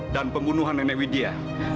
dan pembunuhan nenek widya